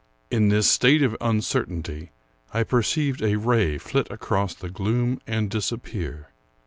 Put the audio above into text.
In this state of uncertainty, I perceived a ray flit across the gloom and disappear.